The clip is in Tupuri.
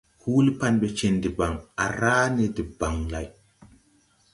Huuli pan ɓɛ cèn debaŋ, à ràa ne debaŋ lay.